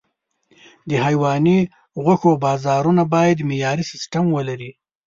د حيواني غوښو بازارونه باید معیاري سیستم ولري.